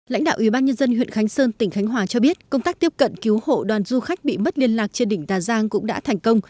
lãnh đạo ubnd huyện khánh sơn tỉnh khánh hòa cho biết công tác tiếp cận cứu hộ đoàn du khách bị mất liên lạc trên đỉnh tà giang cũng đã thành công